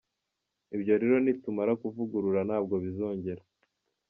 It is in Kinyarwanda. Ibyo rero nitumara kuvugurura ntabwo bizongera.